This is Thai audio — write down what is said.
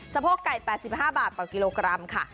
โพกไก่๘๕บาทต่อกิโลกรัมค่ะ